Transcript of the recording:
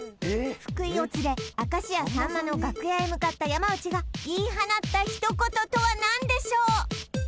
福井を連れ明石家さんまの楽屋へ向かった山内が言い放った一言とは何でしょう？